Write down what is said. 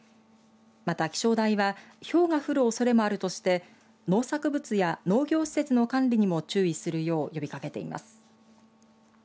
また、気象台はひょうが降るおそれがあるとして農作物や農業施設の管理にも注意するよう呼びかけています。